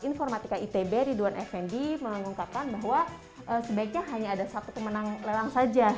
informatika itb ridwan effendi mengungkapkan bahwa sebaiknya hanya ada satu pemenang lelang saja